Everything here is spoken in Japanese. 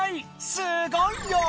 すごいよ！